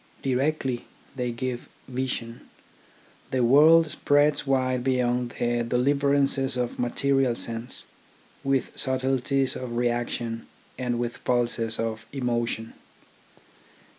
Directly, they give vision. The world spreads wide beyond the deliverances of material sense, with subtle ties of reaction and with pulses of emotion.